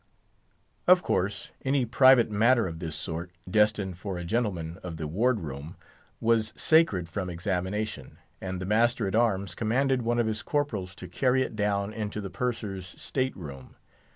Of course, any private matter of this sort, destined for a gentleman of the ward room, was sacred from examination, and the master at arms commanded one of his corporals to carry it down into the Purser's state room.